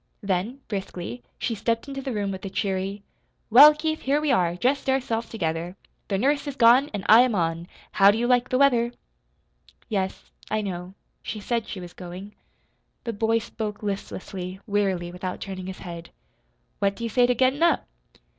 Then, briskly, she stepped into the room with a cheery: "Well, Keith, here we are, just ourselves together. The nurse is gone an' I am on how do you like the weather?" "Yes, I know, she said she was going." The boy spoke listlessly, wearily, without turning his head. "What do you say to gettin' up?"